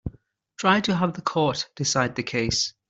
Try to have the court decide the case.